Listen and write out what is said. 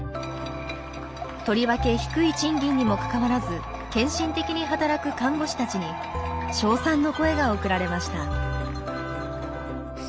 とりわけ低い賃金にもかかわらず献身的に働く看護師たちに賞賛の声が送られました。